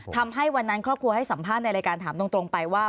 ทำให้วันนั้นครอบครัวให้สัมภาษณ์ในรายการถามตรงไปว่า